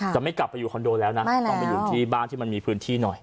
จะไม่กลับไปอยู่คอนโดแล้วนะต้องไปอยู่ที่บ้านที่มันมีพื้นที่หน่อย